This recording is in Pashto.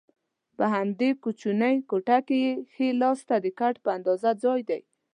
په همدې کوچنۍ کوټه کې ښي لاسته د کټ په اندازه ځای دی.